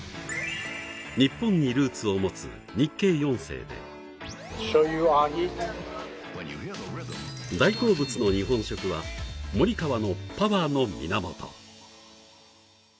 日本にルーツを持つ、日系４世で大好物の日本食はモリカワのパワーの源。